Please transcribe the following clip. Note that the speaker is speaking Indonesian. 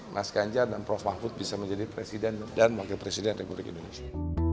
mas ganjar dan prof mahfud bisa menjadi presiden dan wakil presiden republik indonesia